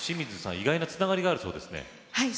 意外なつながりがあるそうですね。